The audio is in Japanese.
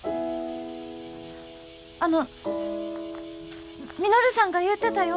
あの稔さんが言うてたよ。